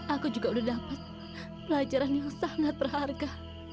aku juga udah dapat pelajaran yang sangat berharga